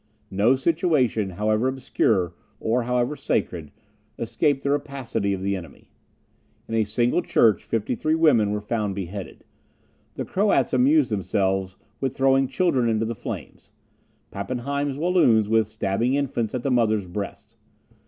No situation, however obscure, or however sacred, escaped the rapacity of the enemy. In a single church fifty three women were found beheaded. The Croats amused themselves with throwing children into the flames; Pappenheim's Walloons with stabbing infants at the mother's breast.